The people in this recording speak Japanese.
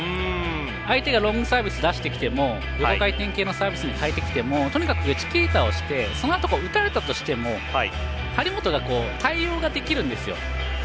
相手がロングサービス出してきても、横回転系のサービスに変えてきてもとにかくチキータをしてそのあと、打たれたとしても張本が対応ができるんですよ。